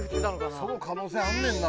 その可能性あんねんな